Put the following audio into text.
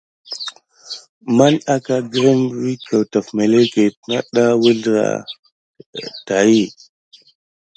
Fuŋ akà gərmà midikine nada ma gulfà iki pay na wuzlera tat.